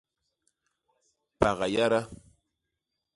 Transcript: Paga yada.